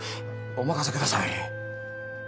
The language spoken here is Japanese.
お任せください。